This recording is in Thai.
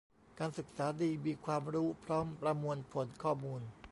การศึกษาดี มีความรู้ พร้อมประมวลผลข้อมูล